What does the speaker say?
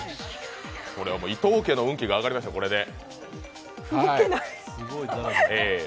これは伊藤家の運気が上がりましたよ、これで。